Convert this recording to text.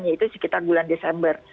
yaitu sekitar bulan desember